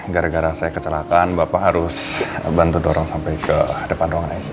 gara gara saya kecelakaan bapak harus bantu dorong sampai ke depan ruangan sc